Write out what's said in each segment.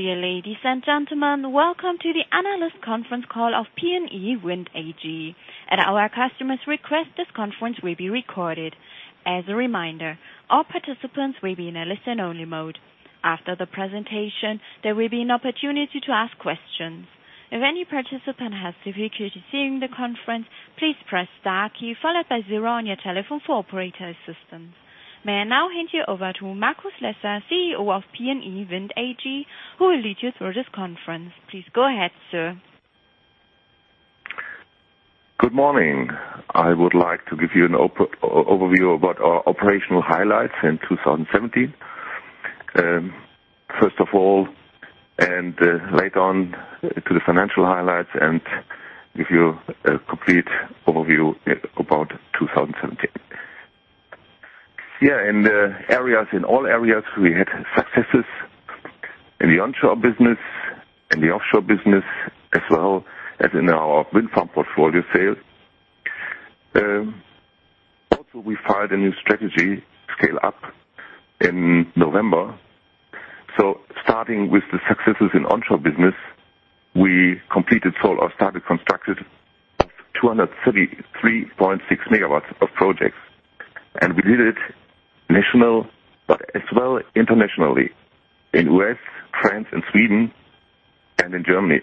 Dear ladies and gentlemen, welcome to the analyst conference call of PNE Wind AG. At our customer's request, this conference will be recorded. As a reminder, all participants will be in a listen-only mode. After the presentation, there will be an opportunity to ask questions. If any participant has difficulty hearing the conference, please press star key followed by zero on your telephone for operator assistance. May I now hand you over to Markus Lesser, CEO of PNE Wind AG, who will lead you through this conference. Please go ahead, sir. Good morning. I would like to give you an overview about our operational highlights in 2017. First of all, and later on to the financial highlights, and give you a complete overview about 2017. In all areas, we had successes in the onshore business, in the offshore business, as well as in our wind farm portfolio sales. We filed a new strategy Scale up in November. Starting with the successes in onshore business, we completed or started construction of 233.6 megawatts of projects, and we did it national, but as well internationally, in the U.S., France and Sweden, and in Germany,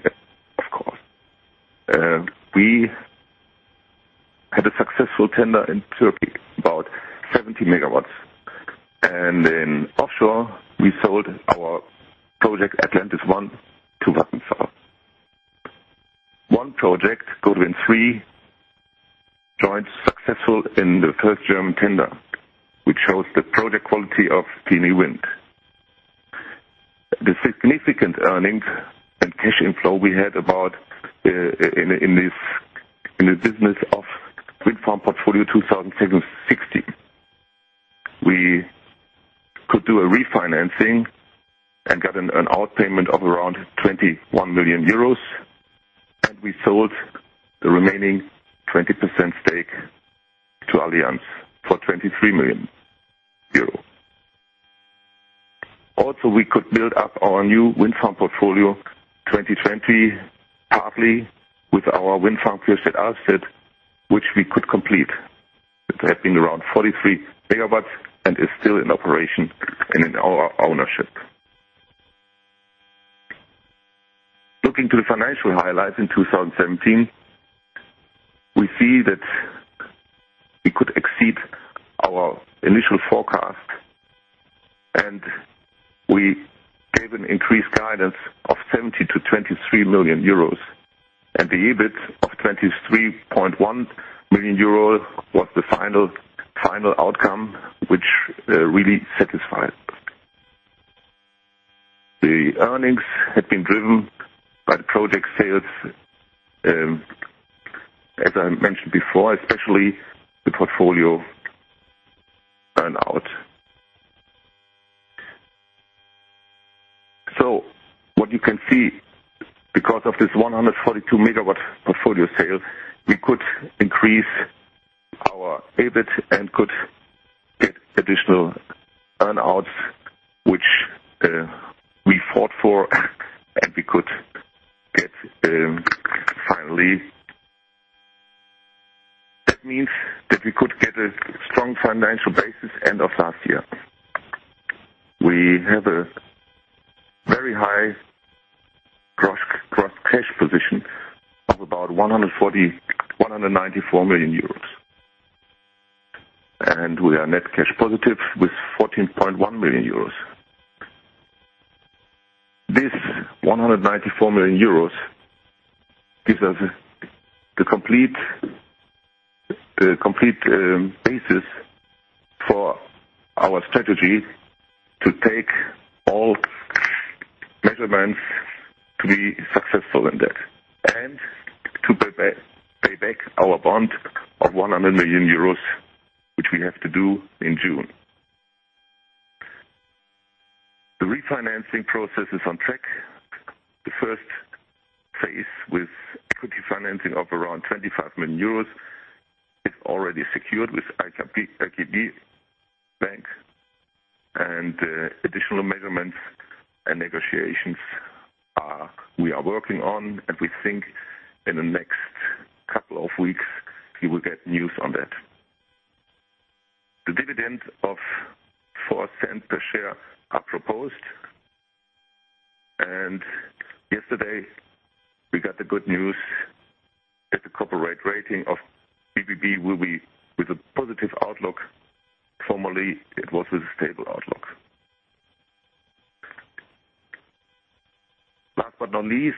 of course. We had a successful tender in Turkey, about 70 megawatts. In offshore, we sold our project, Atlantis I, to Vattenfall. One project, Gode Wind 3, joined successful in the first German tender, which shows the project quality of PNE Wind. The significant earnings and cash inflow we had about in the business of wind farm portfolio 2016. We could do a refinancing and got an out-payment of around 21 million euros, and we sold the remaining 20% stake to Allianz for 23 million euro. We could build up our new wind farm portfolio 2020, partly with our wind farm, Hohe See asset, which we could complete. It had been around 43 megawatts and is still in operation and in our ownership. Looking to the financial highlights in 2017, we see that we could exceed our initial forecast, and we gave an increased guidance of 17 million to 23 million euros. The EBIT of 23.1 million euros was the final outcome, which really satisfied. The earnings had been driven by the project sales, as I mentioned before, especially the portfolio earn-out. What you can see, because of this 142-megawatt portfolio sale, we could increase our EBIT and could get additional earn-outs, which we fought for, and we could get finally. That means that we could get a strong financial basis end of last year. We have a very high gross cash position of about 194 million euros. We are net cash positive with 14.1 million euros. This 194 million euros gives us the complete basis for our strategy to take all measurements to be successful in that and to pay back our bond of 100 million euros, which we have to do in June. The refinancing process is on track. The first phase with equity financing of around 25 million euros is already secured with IKB Bank, and additional measurements and negotiations we are working on, and we think in the next couple of weeks, you will get news on that. The dividend of 0.04 per share are proposed. Yesterday we got the good news that the corporate rating of BBB will be with a positive outlook. Formerly, it was with a stable outlook. Last but not least,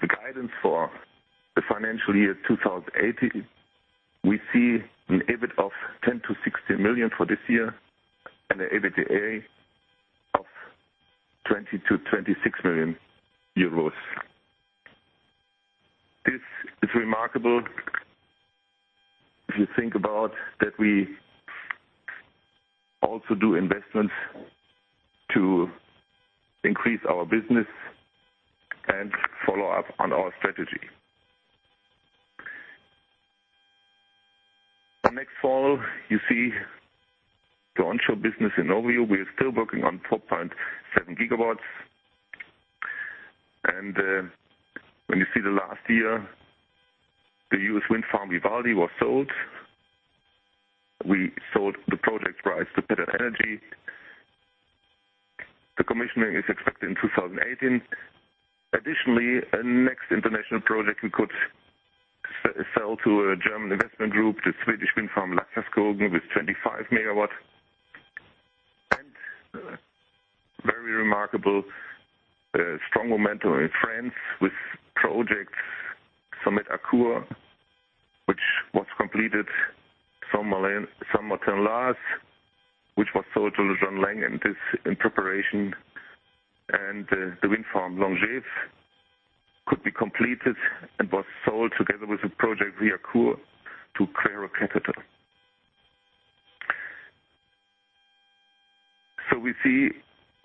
the guidance for the financial year 2018, we see an EBIT of 10 million-16 million for this year and an EBITDA of 20 million-26 million euros. This is remarkable if you think about that we also do investments to increase our business and follow up on our strategy. You see the onshore business in overview. We are still working on 4.7 GW. When you see the last year, the U.S. wind farm, Vivaldi, was sold. We sold the project rights to Better Energy. The commissioning is expected in 2018. Additionally, a next international project we could sell to a German investment group, the Swedish wind farm, Laxåskogen, with 25 MW. Very remarkable, strong momentum in France with projects Sommette-Eaucourt, which was completed, Sommet Saint-Lars, which was sold to John Laing and is in preparation. The wind farm Longèves could be completed and was sold together with the project Riaucourt to Quaero Capital. We see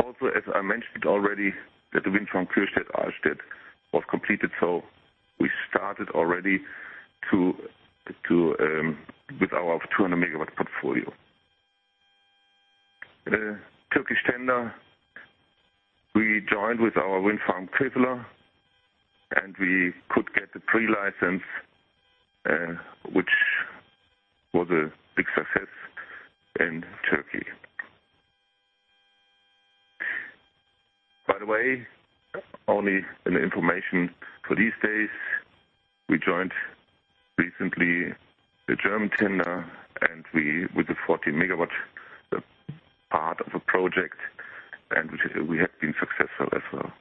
also, as I mentioned already, that the wind farm Kührstedt-Alfstedt was completed. We started already with our 200 MW portfolio. The Turkish tender, we joined with our wind farm, Köseler, and we could get the pre-license, which was a big success in Turkey. By the way, only an information for these days, we joined recently the German tender, with the 14 MW, the part of a project. We have been successful as well.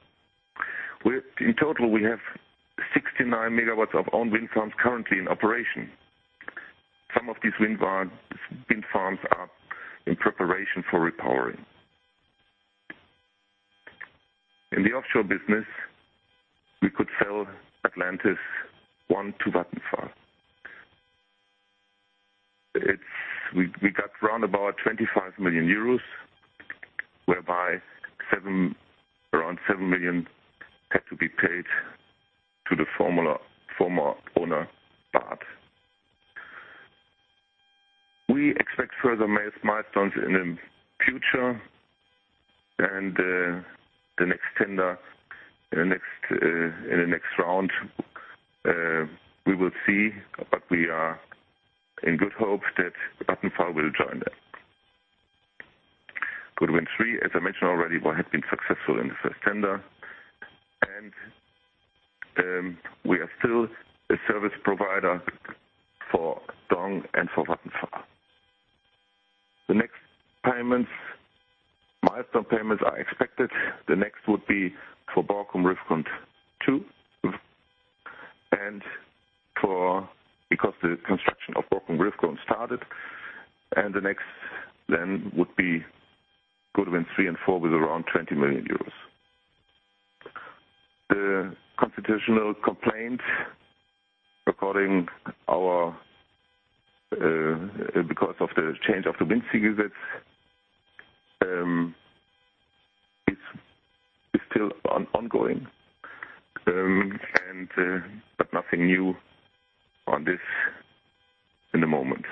In total, we have 69 MW of own wind farms currently in operation. Some of these wind farms are in preparation for repowering. In the offshore business, we could sell Atlantis I to Vattenfall. We got round about 25 million euros, whereby around 7 million had to be paid to the former owner, BARD. We expect further milestones in the future. The next tender in the next round, we will see, but we are in good hope that Vattenfall will join it. Gode Wind 3, as I mentioned already, we have been successful in the first tender. We are still a service provider for DONG Energy and for Vattenfall. The next milestone payments are expected. The next would be for Borkum Riffgrund 2, because the construction of Borkum Riffgrund started. The next then would be Gode Wind 3 and 4 with around 20 million euros. The constitutional complaint, because of the change of the WindSeeG, is still ongoing, nothing new on this in the moment.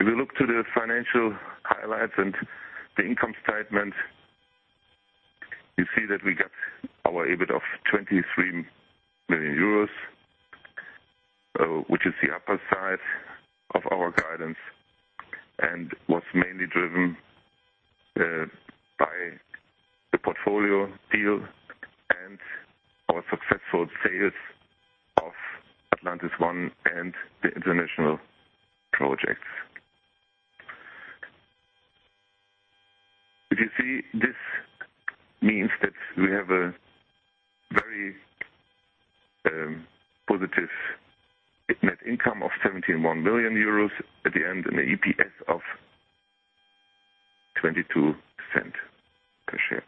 If we look to the financial highlights and the income statement, you see that we got our EBIT of 23 million euros, which is the upper side of our guidance and was mainly driven by the portfolio deal and our successful sales of Atlantis I and the international projects. If you see, this means that we have a very positive net income of 71 million euros at the end and an EPS of 0.22 per share.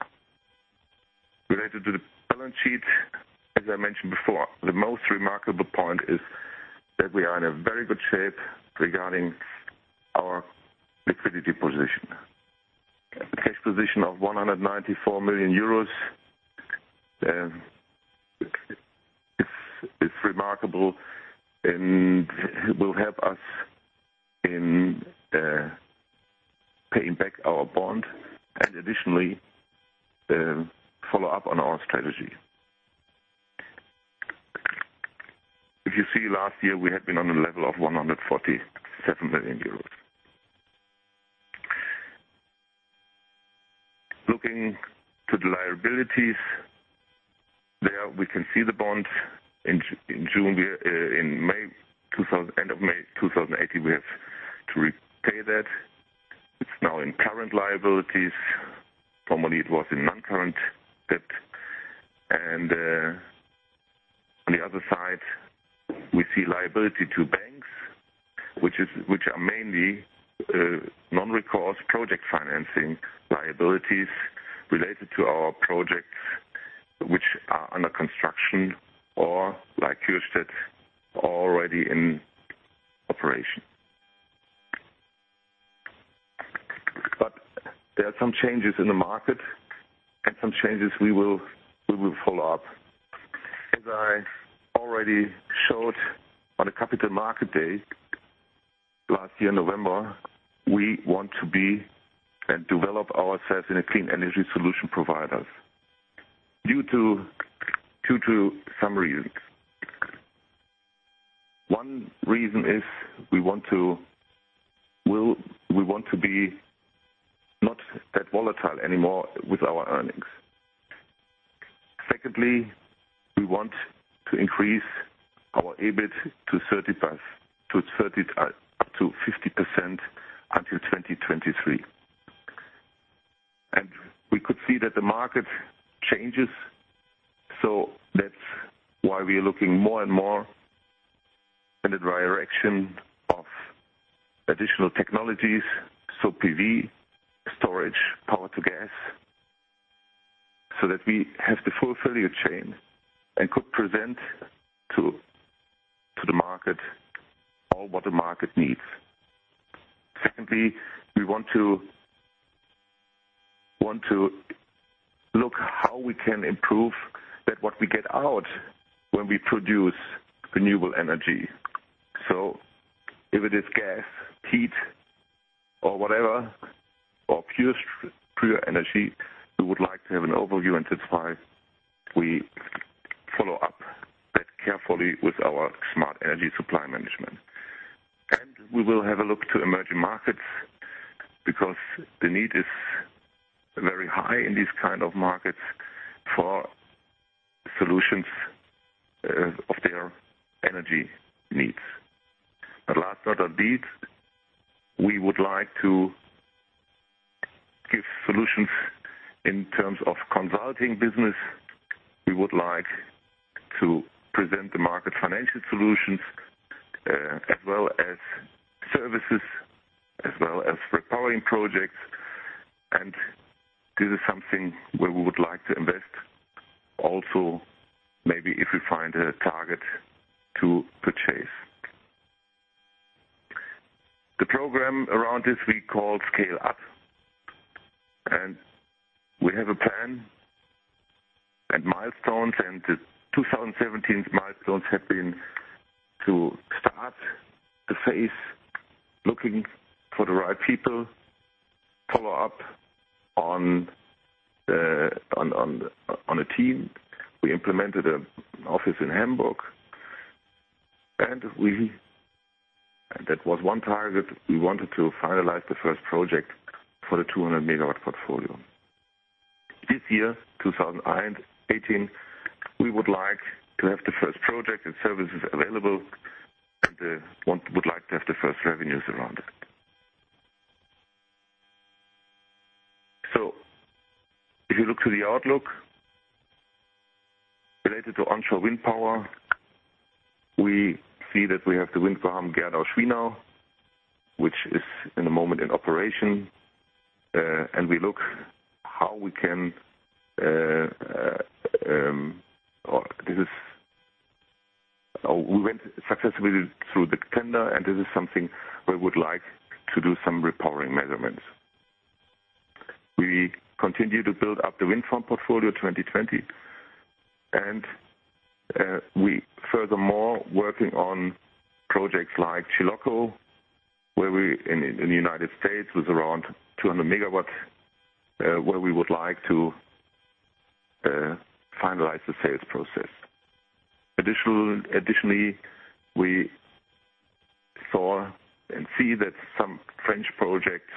Related to the balance sheet, as I mentioned before, the most remarkable point is that we are in a very good shape regarding our liquidity position. The cash position of EUR 194 million is remarkable. Additionally, will help us in paying back our bond and follow up on our strategy. Last year, we had been on a level of 147 million euros. Looking to the liabilities, there we can see the bond in end of May 2018, we have to repay that. It's now in current liabilities. Formerly, it was in non-current debt. On the other side, we see liability to banks, which are mainly non-recourse project financing liabilities related to our projects which are under construction or, like Kührstedt, already in operation. There are some changes in the market and some changes we will follow up. As I already showed on the capital market date last year in November, we want to be and develop ourselves in a clean energy solution providers due to some reasons. One reason is we want to be not that volatile anymore with our earnings. Secondly, we want to increase our EBIT up to 50% until 2023. We could see that the market changes, so that's why we are looking more and more in the direction of additional technologies, so PV, storage, power-to-gas, so that we have the full value chain and could present to the market all what the market needs. Secondly, we want to look how we can improve that what we get out when we produce renewable energy. If it is gas, heat, or whatever, or pure energy, we would like to have an overview, and that's why we follow up that carefully with our smart energy supply management. We will have a look to emerging markets because the need is very high in these kinds of markets for solutions of their energy needs. Last but not least, we would like to give solutions in terms of consulting business. We would like to present the market financial solutions, as well as services, as well as repowering projects. This is something where we would like to invest also, maybe if we find a target to purchase. The program around this we call Scale Up. We have a plan and milestones, and the 2017 milestones have been to start the phase looking for the right people, follow up on a team. We implemented an office in Hamburg. That was one target. We wanted to finalize the first project for the 200-megawatt portfolio. This year, 2018, we would like to have the first project and services available, and would like to have the first revenues around it. If you look to the outlook related to onshore wind power, we see that we have the wind farm Gerdau-Schwienau, which is in the moment in operation. We went successfully through the tender, and this is something we would like to do some repowering measurements. We continue to build up the wind farm portfolio 2020, and we furthermore working on projects like Chilocco in the United States with around 200 megawatts, where we would like to finalize the sales process. Additionally, we saw and see that some French projects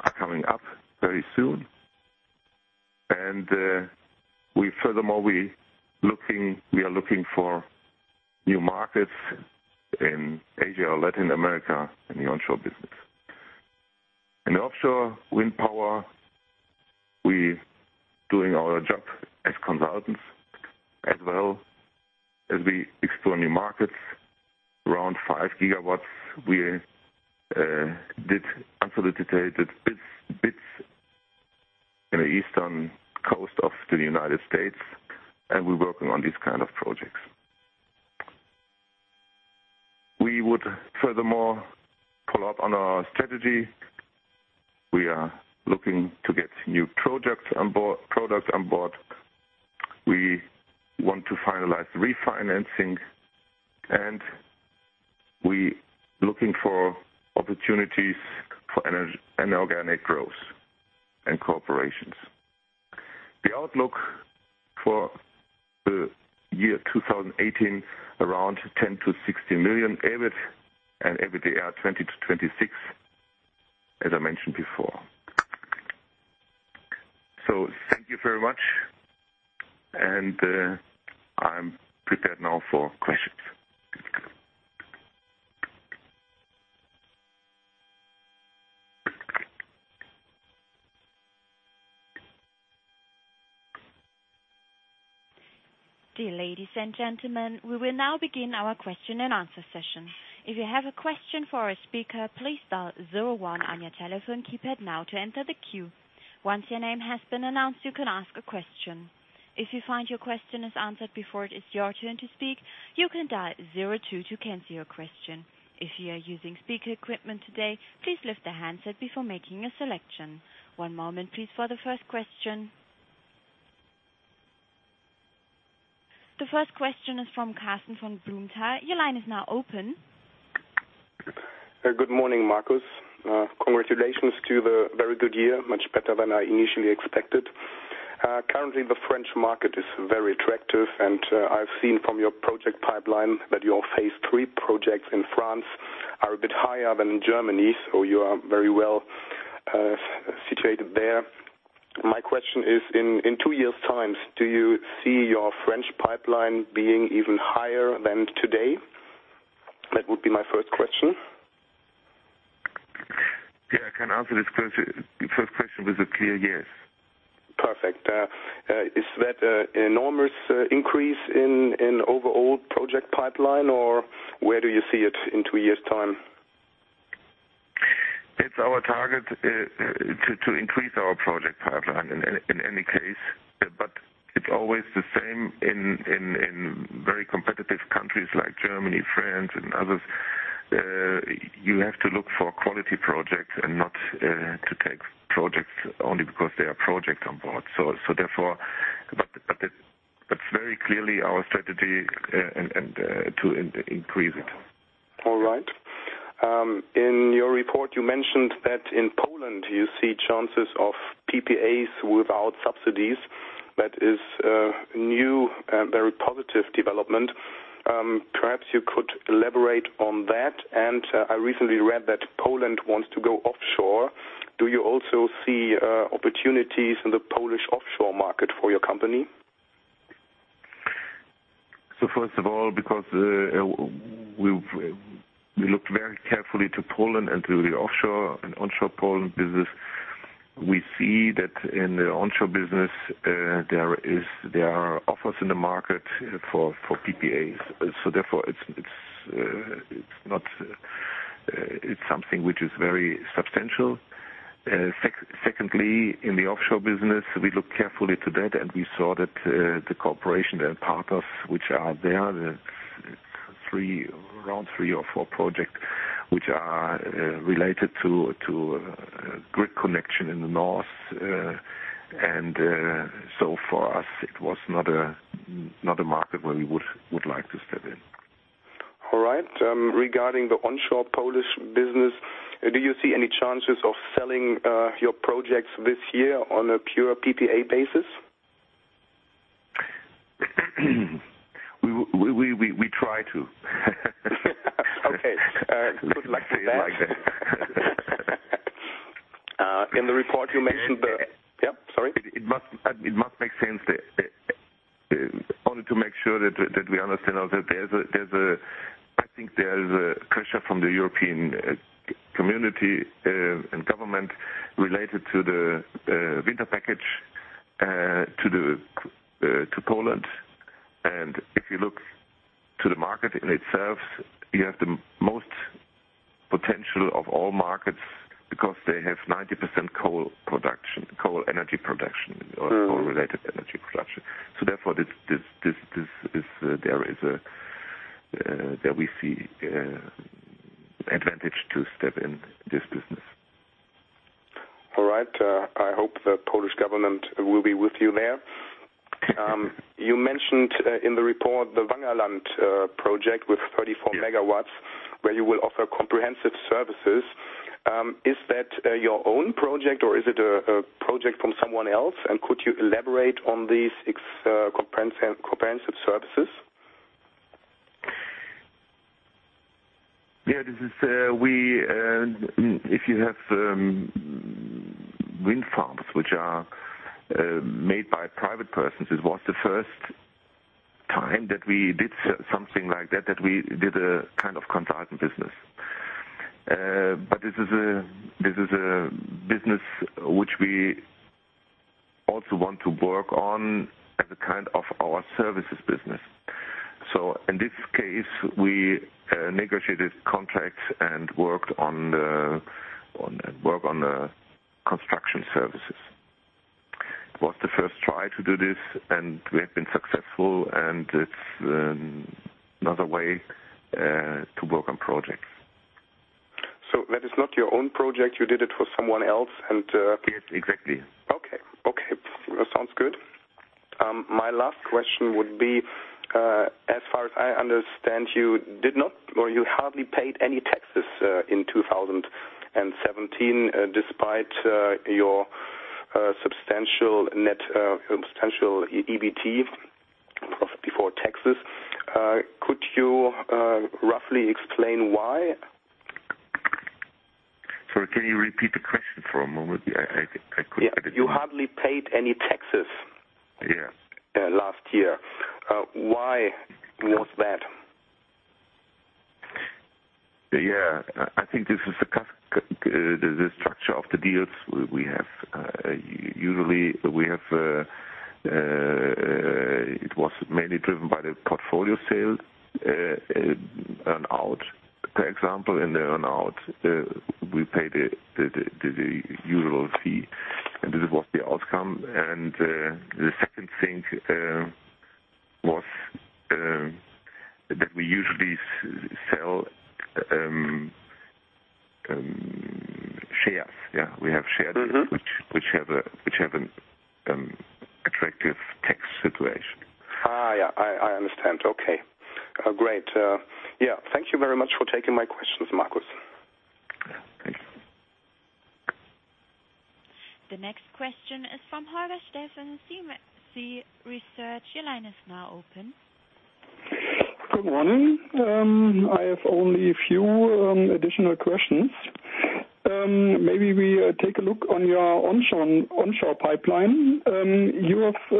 are coming up very soon. Furthermore, we are looking for new markets in Asia or Latin America in the onshore business. In offshore wind power, we doing our job as consultants, as well as we explore new markets. Around 5 gigawatts, we did unsolicited bids in the eastern coast of the United States, and we're working on these kinds of projects. We would furthermore pull up on our strategy. We are looking to get new products on board. We want to finalize refinancing, and we looking for opportunities for inorganic growth and corporations. The outlook for the year 2018, around 10 million-16 million EBIT and EBITDA 20 million-26 million, as I mentioned before. Thank you very much, and I'm prepared now for questions. Dear ladies and gentlemen, we will now begin our question and answer session. If you have a question for a speaker, please dial 01 on your telephone keypad now to enter the queue. Once your name has been announced, you can ask a question. If you find your question is answered before it is your turn to speak, you can dial zero two to cancel your question. If you are using speaker equipment today, please lift the handset before making a selection. One moment please for the first question. The first question is from Karsten von Blumenthal. Your line is now open. Good morning, Markus. Congratulations to the very good year, much better than I initially expected. Currently, the French market is very attractive, and I have seen from your project pipeline that your phase 3 projects in France are a bit higher than in Germany, so you are very well situated there. My question is, in two years' time, do you see your French pipeline being even higher than today? That would be my first question. Yeah, I can answer this first question with a clear yes. Perfect. Is that enormous increase in overall project pipeline, or where do you see it in two years' time? It's our target to increase our project pipeline in any case. It's always the same in very competitive countries like Germany, France, and others. You have to look for quality projects and not to take projects only because they are projects on board. Therefore, it's very clearly our strategy to increase it. All right. In your report, you mentioned that in Poland, you see chances of PPAs without subsidies. That is a new, very positive development. Perhaps you could elaborate on that. I recently read that Poland wants to go offshore. Do you also see opportunities in the Polish offshore market for your company? First of all, because we looked very carefully to Poland and to the offshore and onshore Poland business. We see that in the onshore business, there are offers in the market for PPAs. Therefore, it's something which is very substantial. Secondly, in the offshore business, we look carefully to that and we saw that the cooperation and partners which are there, around three or four projects, which are related to grid connection in the north. For us, it was not a market where we would like to step in. All right. Regarding the onshore Polish business, do you see any chances of selling your projects this year on a pure PPA basis? We try to. Okay. Good luck with that. Let's say it like that. In the report, you mentioned. Yeah, sorry. It must make sense. Only to make sure that we understand also, I think there's a pressure from the European Commission, and government related to the winter package, to Poland. If you look to the market in itself, you have the most potential of all markets because they have 90% coal energy production or coal-related energy production. Therefore, there we see advantage to step in this business. All right. I hope the Polish government will be with you there. You mentioned in the report the Wangerland project with 34 megawatts, where you will offer comprehensive services. Is that your own project or is it a project from someone else? Could you elaborate on these comprehensive services? Yeah. If you have wind farms, which are made by private persons, it was the first time that we did something like that we did a kind of consulting business. This is a business which we also want to work on as a kind of our services business. In this case, we negotiated contracts and worked on the construction services. It was the first try to do this, and we have been successful, and it's another way to work on projects. That is not your own project. You did it for someone else and. Yes, exactly. Okay. Sounds good. My last question would be, as far as I understand, you hardly paid any taxes in 2017, despite your substantial EBT, profit before taxes. Could you roughly explain why? Sorry, can you repeat the question for a moment? I couldn't hear. You hardly paid any taxes. Yeah last year. Why was that? Yeah. I think this is the structure of the deals. Usually, it was mainly driven by the portfolio sale earn-out. For example, in the earn-out, we pay the usual fee, and this was the outcome. The second thing was that we usually sell shares. Yeah, we have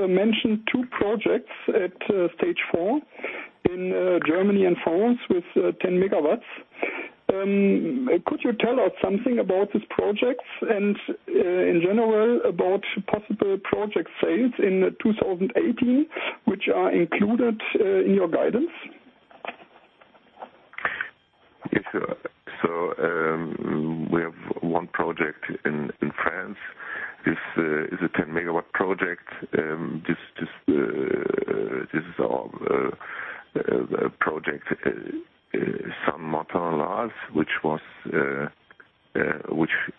mentioned two projects at stage 4 in Germany and France with 10 MW. Could you tell us something about these projects and in general about possible project sales in 2018, which are included in your guidance? We have one project in France. This is a 10 MW project. This is our project, Saint Martin l'Ars, which is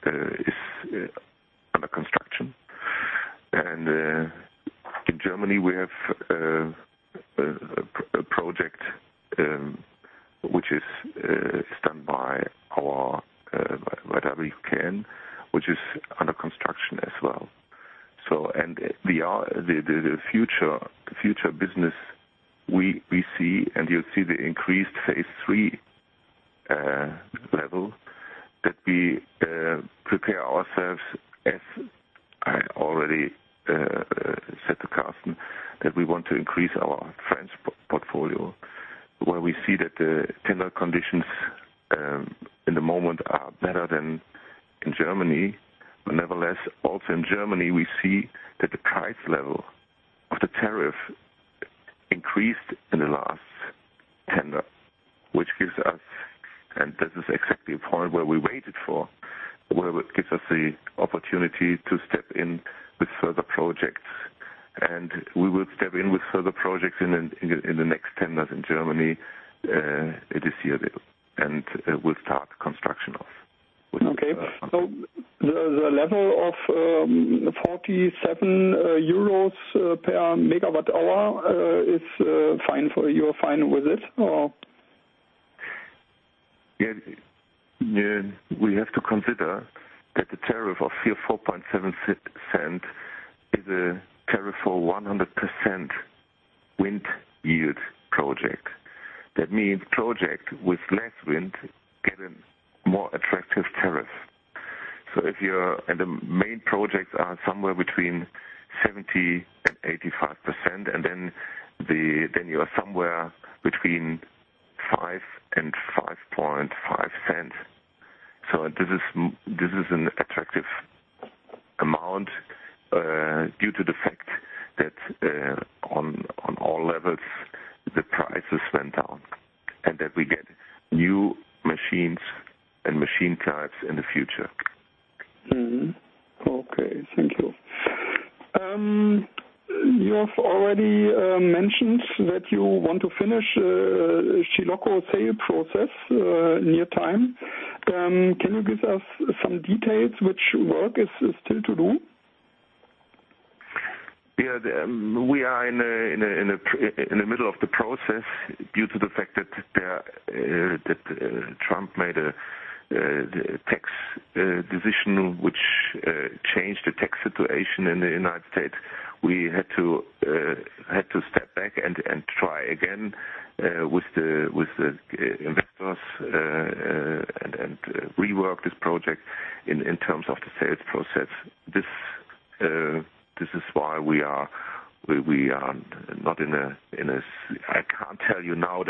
under construction. In Germany, we have a project which is done by our WKN, which is under construction as well. The future business we see, and you will see the increased phase 3 level, that we prepare ourselves, as I already said to Karsten, that we want to increase our French portfolio, where we see that the tender conditions in the moment are better than in Germany. Nevertheless, also in Germany, we see that the price level of the tariff increased in the last tender, and this is exactly the point where we waited for, where it gives us the opportunity to step in with further projects. We will step in with further projects in the next tenders in Germany this year, and we will start construction. Okay. The level of 47 euro per MWh, you are fine with it, or? Yeah. We have to consider that the tariff of 0.047 is a tariff for 100% wind yield project. That means project with less wind get a more attractive tariff. The main projects are somewhere between 70%-85%, and then you are somewhere between EUR 0.05 and EUR 0.055. This is an attractive amount, due to the fact that, on all levels, the prices went down, and that we get new machines and machine types in the future. Mm-hmm. Okay. Thank you. You have already mentioned that you want to finish Chilocco sale process near time. Can you give us some details which work is still to do? We are in the middle of the process due to the fact that Trump made a tax decision which changed the tax situation in the U.S. We had to step back and try again with the investors, and rework this project in terms of the sales process. This is why we are not in a-- I cannot tell you now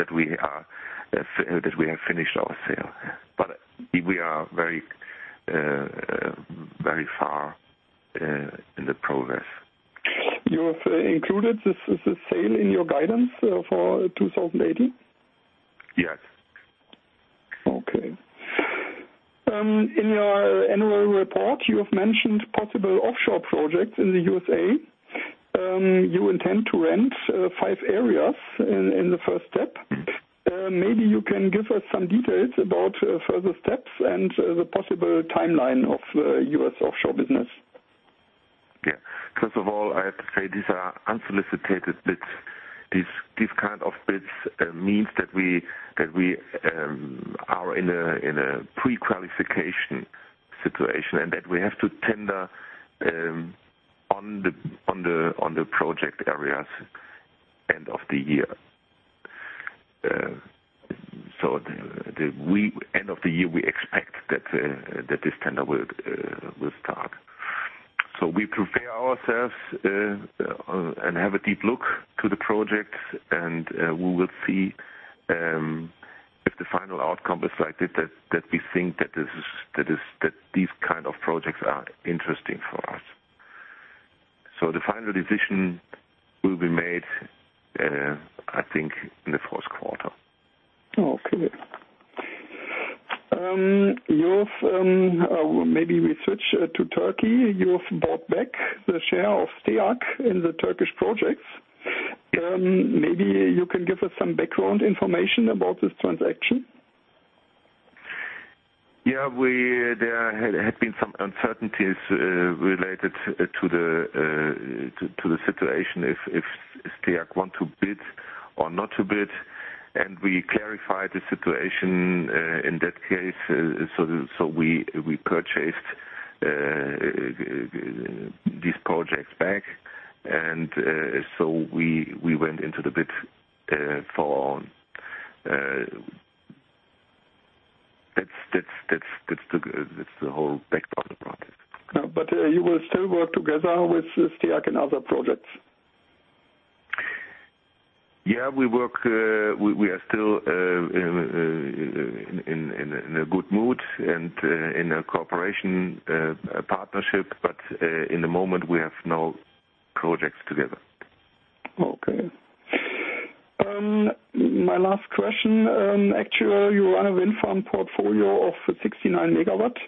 that we have finished our sale. But we are very far in the progress. You have included this sale in your guidance for 2018? Yes. In your annual report, you have mentioned possible offshore projects in the U.S.A. You intend to rent five areas in the first step. Maybe you can give us some details about further steps and the possible timeline of U.S. offshore business. First of all, I have to say, these are unsolicited bids. These kind of bids means that we are in a pre-qualification situation, and that we have to tender on the project areas end of the year. We expect that this tender will start. We prepare ourselves and have a deep look to the projects, and we will see if the final outcome is like that we think that these kind of projects are interesting for us. The final decision will be made, I think, in the first quarter. Okay. Maybe we switch to Turkey. You've bought back the share of STEAG in the Turkish projects. Maybe you can give us some background information about this transaction. Yeah. There had been some uncertainties related to the situation, if STEAG want to bid or not to bid. We clarified the situation, in that case, so we purchased these projects back. We went into the bid. That's the whole background of the project. You will still work together with STEAG in other projects? Yeah, we are still in a good mood and in a cooperation partnership, but at the moment we have no projects together. Okay. My last question. Actually, you run a wind farm portfolio of 69 megawatts.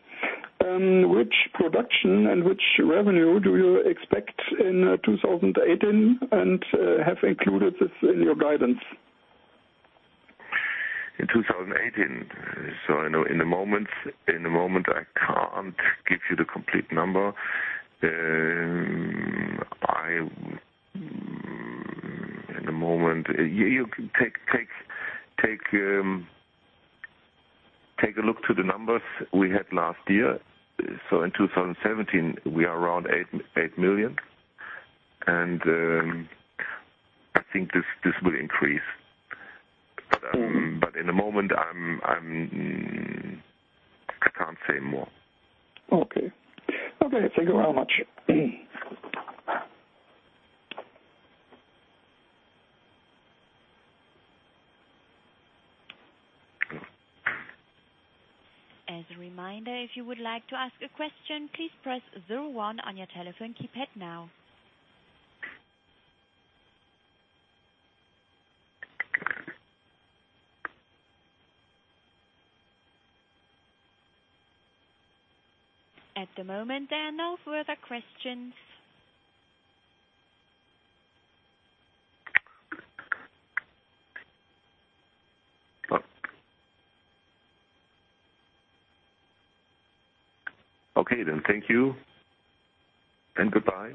Which production and which revenue do you expect in 2018 and have included this in your guidance? In 2018. In the moment I can't give you the complete number. Take a look to the numbers we had last year. In 2017, we are around eight million. I think this will increase. At the moment I can't say more. Okay. Thank you very much. As a reminder, if you would like to ask a question, please press zero one on your telephone keypad now. At the moment, there are no further questions. Okay. Thank you and goodbye.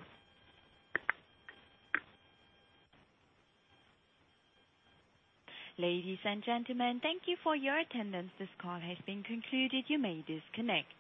Ladies and gentlemen, thank you for your attendance. This call has been concluded. You may disconnect.